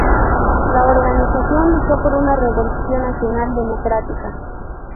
La organización luchó por una "revolución nacional democrática".